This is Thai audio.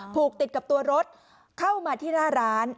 ผูกติดกับตัวรถเข้ามาที่หน้าร้าน